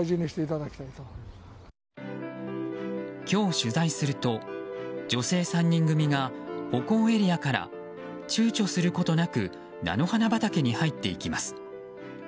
今日取材すると、女性３人組が歩行エリアから躊躇することなく菜の花畑に入っていきます。